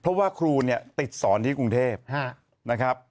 เพราะว่าครูเนี่ยติดสอนที่กรุงเทพนะครับ